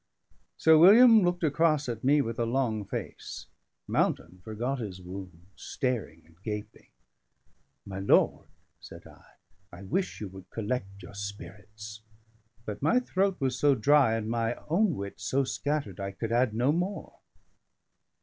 Sir William looked across at me with a long face. Mountain forgot his wounds, staring and gaping. "My lord," said I, "I wish you would collect your spirits." But my throat was so dry, and my own wits so scattered, I could add no more.